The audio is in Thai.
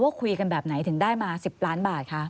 คุยกันแบบไหนถึงได้มา๑๐ล้านบาทคะ